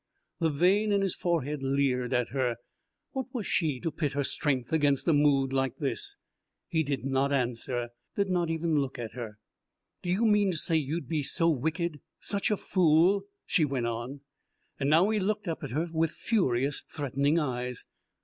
The vein in his forehead leered at her. What was she to pit her strength against a mood like this? He did not answer, did not even look at her. "Do you mean to say you'd be so wicked such a fool?" she went on. Now he looked up at her with furious, threatening eyes.